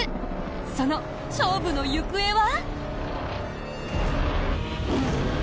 その勝負の行方は？